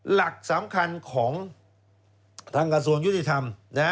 หลักสำคัญของทางกระทรวงยุติธรรม